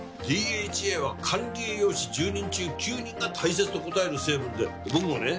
ＤＨＡは管理栄養士１０人中９人が大切と答える成分で僕もね